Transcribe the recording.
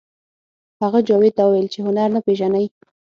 هغه جاوید ته وویل چې هنر نه پېژنئ